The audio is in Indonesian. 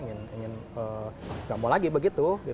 gak mau lagi begitu